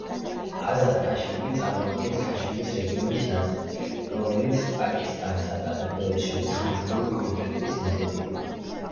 აზად-ქაშმირი წარმოადგენს ქაშმირის რეგიონის ნაწილს, რომელიც პაკისტანსა და ინდოეთს შორის ხანგრძლივი კონფლიქტის მიზეზია.